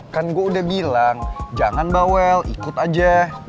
kan gue udah bilang jangan bawel ikut aja